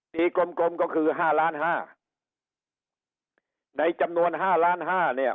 ดีกลมกลมก็คือ๕๕๐๐๐๐๐ในจำนวน๕๕๐๐๐๐๐เนี่ย